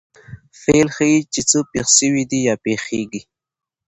فعل ښيي، چي څه پېښ سوي دي یا پېښېږي.